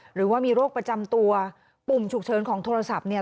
หรือว่ามีโรคประจำตัวปุ่มฉุกเฉินของโทรศัพท์เนี่ย